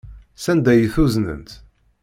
Sanda ay t-uznent?